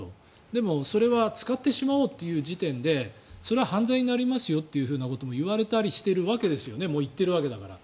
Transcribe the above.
でも、それは使ってしまおうという時点でそれは犯罪になりますよということも言われたりしてるわけですよねもう言ってるわけだから。